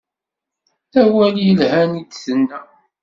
D awal i yelhan i d-tenna.